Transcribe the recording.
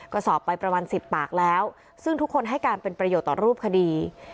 ก็สอบไปประมาณ๑๐ปากแล้วซึ่งทุกคนให้การเป็นประโยชน์ต่อรูปคดี